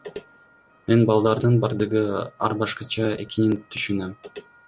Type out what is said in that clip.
Мен балдардын бардыгы ар башкача экенин түшүнөм.